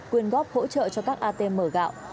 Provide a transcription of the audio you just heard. quyên góp hỗ trợ cho các atm mở gạo